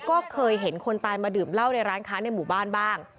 ก็เคยเห็นคนตายมาดื่มเหล้าในร้านค้าในหมู่บ้านบ้าง